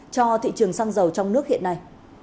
cho thị trường xăng dầu trong nước hiện nay